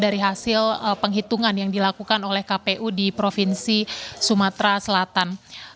dari hasil penghitungan yang dilakukan oleh kpu di provinsi sumatera selatan